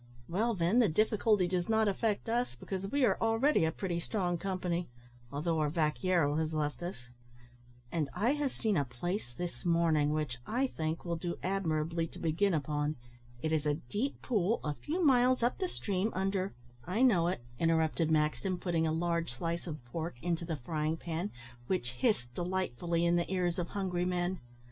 "Well, then, the difficulty does not affect us, because we are already a pretty strong company, although our vaquero has left us, and I have seen a place this morning which, I think, will do admirably to begin upon; it is a deep pool, a few miles up the stream, under " "I know it," interrupted Maxton, putting a large slice of pork into the frying pan, which hissed delightfully in the ears of hungry men.